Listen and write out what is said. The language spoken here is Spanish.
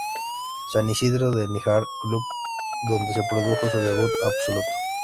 San Isidro de Níjar, club donde se produjo su debut absoluto.